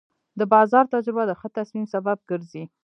د بازار تجربه د ښه تصمیم سبب ګرځي.